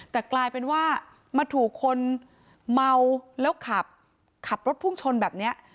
แต่กลายเป็นว่ามาถูกคนเมาแล้วขับขับรถพุ่งชนแบบนี้